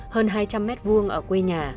hơn hai trăm linh m hai ở quê nhà